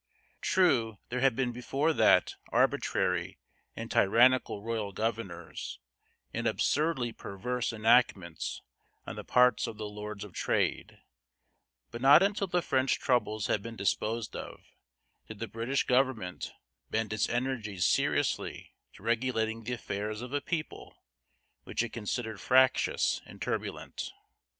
True there had been before that arbitrary and tyrannical royal governors, and absurdly perverse enactments on the part of the Lords of Trade; but not until the French troubles had been disposed of did the British government bend its energies seriously to regulating the affairs of a people which it considered fractious and turbulent.